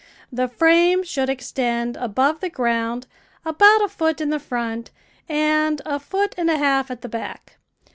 The frame should extend above the ground about a foot in the front and a foot and a half at the back.